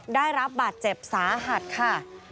ได้รับบาดเจ็บสาหัสค่ะ